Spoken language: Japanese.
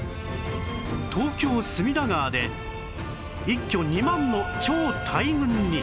東京隅田川で一挙２万の超大軍に